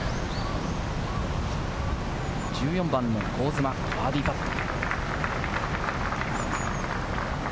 １４番の香妻、バーディーパット。